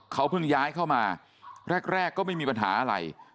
เขาเพิ่งย้ายเข้ามาแรกก็ไม่มีปัญหาอะไร